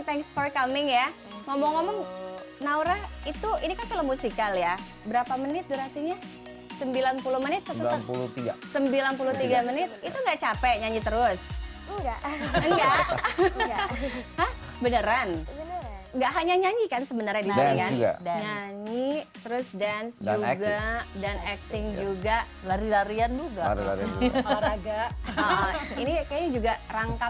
tapi aku berharap terima kasih telah datang